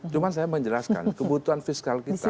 cuma saya menjelaskan kebutuhan fiskal kita